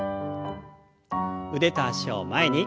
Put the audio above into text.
腕と脚を前に。